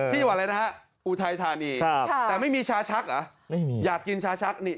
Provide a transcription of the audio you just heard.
ที่ว่าอะไรอูทัยทานีแต่ไม่มีชาชักอ่ะอยากกินชาชักเนี้ย